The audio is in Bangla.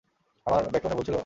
আমার ব্যকরণে ভুল ছিল?